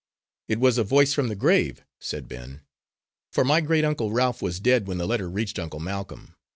"It was a voice from the grave," said Ben, "for my great uncle Ralph was dead when the letter reached Uncle Malcolm.